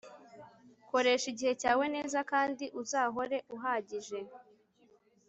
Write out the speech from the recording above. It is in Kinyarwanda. Koresha igihe cyawe neza kandi uzahora uhagije